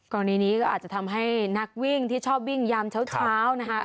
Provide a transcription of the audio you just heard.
กรณีนี้ก็อาจจะทำให้นักวิ่งที่ชอบวิ่งยามเช้านะคะ